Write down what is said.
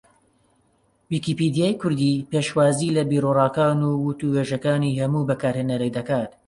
ویکیپیدیای کوردی پێشوازی لە بیروڕاکان و وتووێژەکانی ھەموو بەکارھێنەرێک دەکات